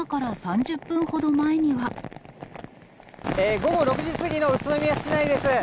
午後６時過ぎの宇都宮市内です。